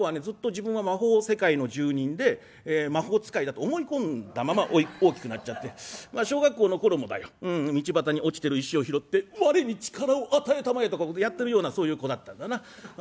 ずっと自分は魔法世界の住人で魔法使いだと思い込んだまま大きくなっちゃってまあ小学校の頃もだよ道端に落ちてる石を拾って『我に力を与えたまえ』とかやってるようなそういう子だったんだな。